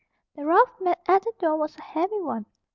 The rough mat at the door was a heavy one.